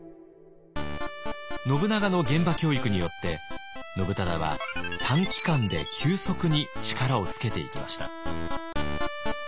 信長の現場教育によって信忠は短期間で急速に力をつけていきました。